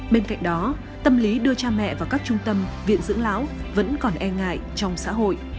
bên cạnh đó tâm lý đưa cha mẹ vào các trung tâm viện dưỡng lão vẫn còn e ngại trong xã hội